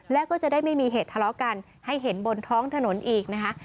แล้วก็จะได้ไม่มีเหตุทะเลาะกันให้เห็นบนท้องถนนอีกนะคะ